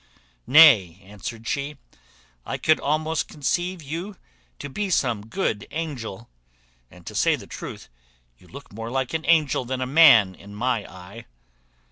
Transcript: "Nay," answered she, "I could almost conceive you to be some good angel; and, to say the truth, you look more like an angel than a man in my eye."